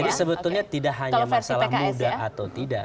jadi sebetulnya tidak hanya masalah muda atau tidak